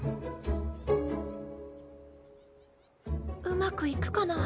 うまくいくかな？